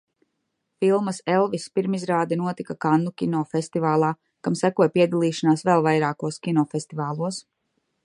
"Filmas "Elviss" pirmizrāde notika Kannu kinofestivālā, kam sekoja piedalīšanās vēl vairākos kinofestivālos."